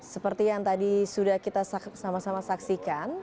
seperti yang tadi sudah kita sama sama saksikan